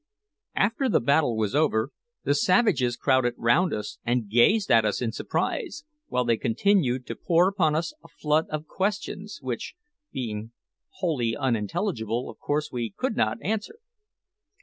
After the battle was over, the savages crowded round us and gazed at us in surprise, while they continued to pour upon us a flood of questions, which, being wholly unintelligible, of course we could not answer.